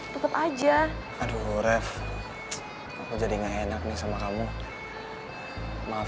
supaya reva tetap bisa dateng ke anniversary aku dan mama